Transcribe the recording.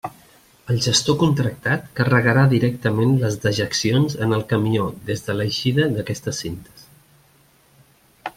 El gestor contractat carregarà directament les dejeccions en el camió des de l'eixida d'aquestes cintes.